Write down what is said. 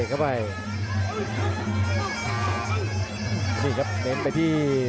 สวัสดิ์นุ่มสตึกชัยโลธสวัสดิ์